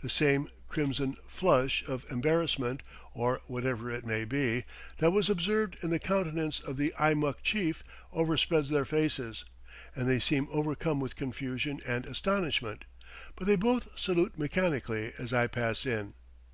The same crimson flush of embarrassment or whatever it may be that was observed in the countenance of the Eimuck chief, overspreads their faces, and they seem overcome with confusion and astonishment; but they both salute mechanically as I pass in.